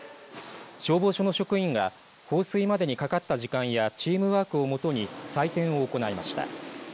消防署の職員が放水までにかかった時間やチームワークをもとに採点を行いました。